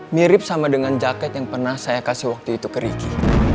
mirip sama dengan jaket yang pernah saya kasih waktu itu ke ricky